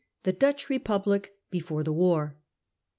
THE DUTCH REPUBLIC BEFORE THE WAR.